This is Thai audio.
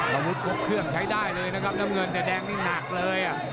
อารมณ์ลูกภรรย์โค้กเครื่องให้ได้เลยน้ำเงินแต่แดงนี่หนักเลย